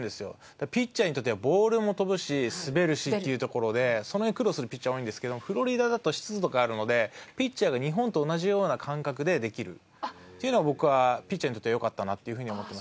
ピッチャーにとってはボールも飛ぶし滑るしっていうところでその辺苦労するピッチャー多いんですけどフロリダだと湿度があるのでピッチャーが日本と同じような感覚でできるっていうのは僕はピッチャーにとってはよかったなという風に思ってます。